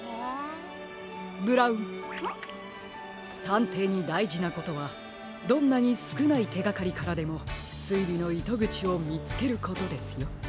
たんていにだいじなことはどんなにすくないてがかりからでもすいりのいとぐちをみつけることですよ。